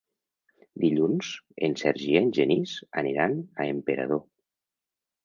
Dilluns en Sergi i en Genís aniran a Emperador.